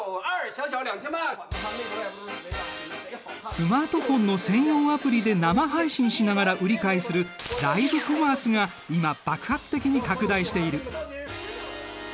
スマートフォンの専用アプリで生配信しながら売り買いするライブコマースが今爆発的に拡大している。